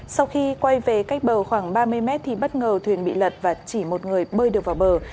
sau khi quay về cách bờ khoảng ba mươi mét thì bất ngờ thuyền bị lật và chỉ một người bơi được vào bờ